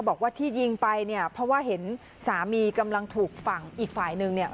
บอกว่าที่ยิงไปเนี่ยเพราะว่าเห็นสามีกำลังถูกฝั่งอีกฝ่ายนึงเนี่ย